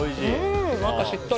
中しっとり。